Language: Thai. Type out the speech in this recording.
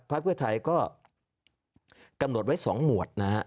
เพื่อไทยก็กำหนดไว้๒หมวดนะฮะ